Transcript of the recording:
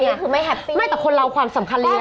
อันนี้คือไม่แฮปปี้ไม่แต่คนเราความสำคัญเลยนะ